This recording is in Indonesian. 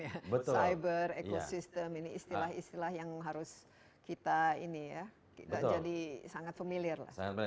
cyber ecosystem ini istilah istilah yang harus kita ini ya